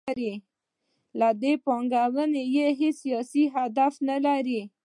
له دې پانګونې یې هیڅ سیاسي هدف نلري.